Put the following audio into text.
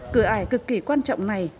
cửa ải cực kỳ quan trọng này